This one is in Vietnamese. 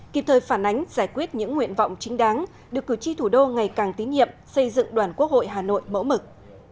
kịp thời phản ánh giải quyết những nguyện vọng chính đáng được cử tri thủ đô ngày càng tín nhiệm xây dựng đoàn quốc hội hà nội mẫu mực